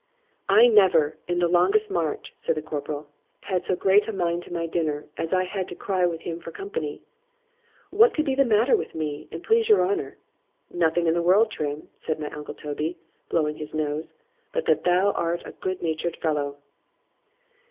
——I never, in the longest march, said the corporal, had so great a mind to my dinner, as I had to cry with him for company:—What could be the matter with me, an' please your honour? Nothing in the world, Trim, said my uncle Toby, blowing his nose,—but that thou art a good natured fellow.